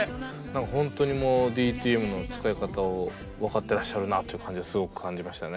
何か本当にもうＤＴＭの使い方を分かってらっしゃるなという感じはすごく感じましたね。